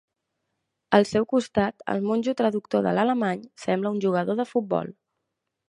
Al seu costat, el monjo traductor de l'alemany sembla un jugador de futbol.